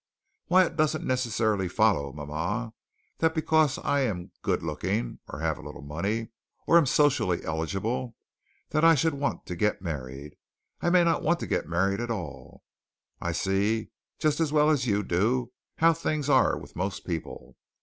"Why, it doesn't necessarily follow, mama, that because I am good looking, or have a little money, or am socially eligible, that I should want to get married. I may not want to get married at all. I see just as well as you do how things are with most people.